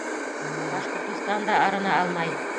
Башҡортостан да арына алмай